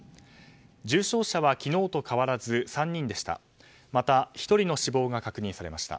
重症者は昨日と変わらず３人でした。